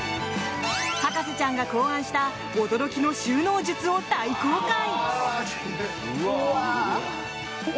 博士ちゃんが考案した驚きの収納術を大公開。